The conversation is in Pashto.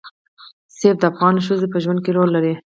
منی د افغان ښځو په ژوند کې رول لري.